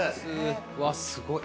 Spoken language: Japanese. うわっすごい。